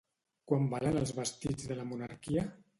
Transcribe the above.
Quan valen els vestits de la monarquia?